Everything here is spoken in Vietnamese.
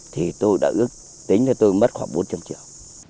thì tôi đã ước tính cho tôi mất khoảng bốn trăm linh triệu